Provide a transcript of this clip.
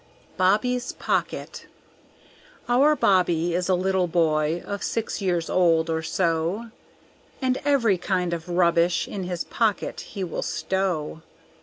Bobby's Pocket Our Bobby is a little boy, of six years old, or so; And every kind of rubbish in his pocket he will stow.